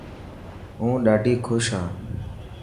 هون ڏاڌي خوش هان.